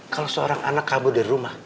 kalau seorang anak kabur dari rumah